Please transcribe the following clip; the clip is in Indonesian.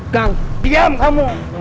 kang diam kamu